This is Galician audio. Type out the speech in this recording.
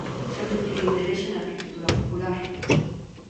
Sempre tiven interese na arquitectura popular.